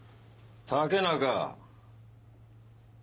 竹中。